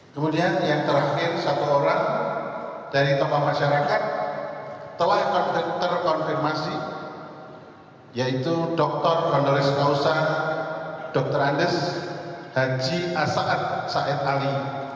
kemudian yang terakhir satu orang dari tokoh masyarakat telah terkonfirmasi yaitu dr hondores kausa dr andes haji asaan said ali